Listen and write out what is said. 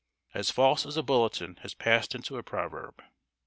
"As false as a bulletin," has passed into a proverb.